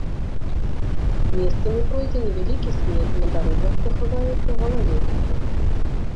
Месцамі пройдзе невялікі снег, на дарогах захаваецца галалёдзіца.